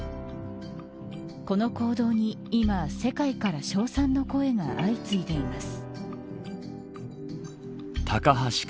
この行動に今世界から称賛の声が相次いでいます。